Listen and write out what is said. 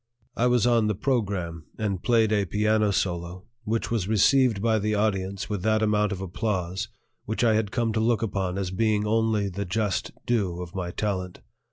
I was on the program, and played a piano solo which was received by the audience with that amount of applause which I had come to look upon as being only the just due of my talent.